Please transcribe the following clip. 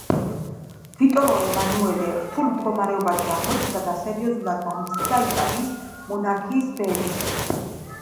ვიტორიო ემანუელე რთულ მდგომარეობაში აღმოჩნდა და სერიოზულად განიცდიდა იტალიის მონარქიის ბედს.